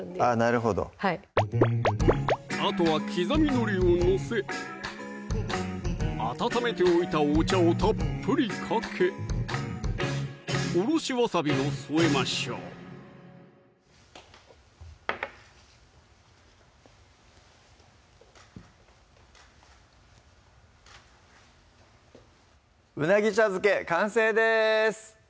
なるほどあとは刻みのりを載せ温めておいたお茶をたっぷりかけおろしわさびを添えましょう「うなぎ茶漬け」完成です